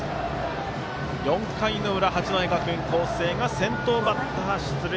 ４回の裏、八戸学院光星が先頭バッター出塁。